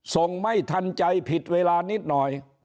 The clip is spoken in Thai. ส่งไม่ทันใจผิดเวลานิดหน่อย